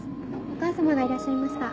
お母様がいらっしゃいました。